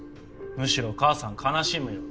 むしろ母さん悲しむよ。